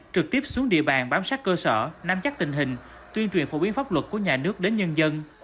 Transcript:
trực tiếp xuống địa bàn bám sát cơ sở nắm chắc tình hình tuyên truyền phổ biến pháp luật của nhà nước đến nhân dân